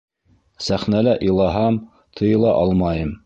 Сәхнәлә илаһам, тыйыла алмайым.